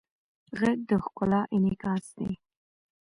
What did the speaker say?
غږ د ښکلا انعکاس دی